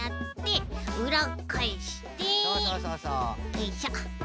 よいしょ。